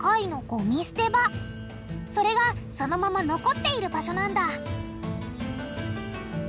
それがそのまま残っている場所なんだ